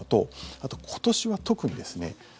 あと、今年は特にですね